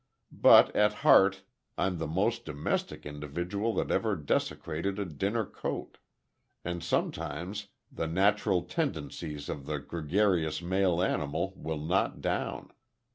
But at heart I'm the most domestic individual that ever desecrated a dinner coat; and sometimes the natural tendencies of the gregarious male animal will not down.